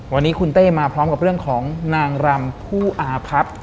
วันนี้คุณเต้มาพร้อมกับเรื่องของนางรำผู้อาพับ